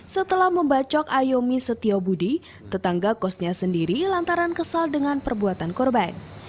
setelah membacok ayomi setiobudi tetangga kosnya sendiri lantaran kesal dengan perbuatan korban